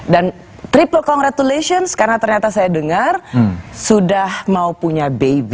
dan triple congratulations karena ternyata saya dengar sudah mau punya baby